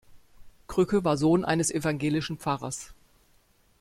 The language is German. Krücke war Sohn eines evangelischen Pfarrers.